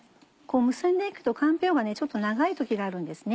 結んで行くとかんぴょうがちょっと長い時があるんですね。